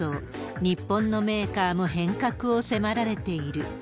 日本のメーカーも変革を迫られている。